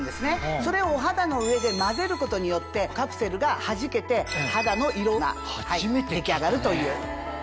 それをお肌の上で混ぜることによってカプセルがはじけて肌の色が出来上がるという。